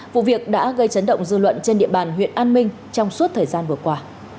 vụ việc đã gây chấn động dư luận trên địa bàn huyện an minh trong suốt thời gian vừa qua